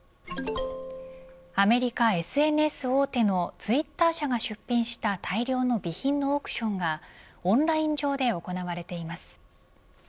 アメリカＳＮＳ大手のツイッター社が出品した大量の備品のオークションがオンライン上で行われています。